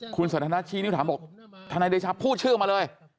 คุณสันทนาชี้นิ้วถามบอกทนายเดชาพูดชื่อมาเลย